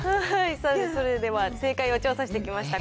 それでは正解を調査してきました。